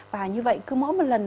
và như vậy cứ mỗi một lần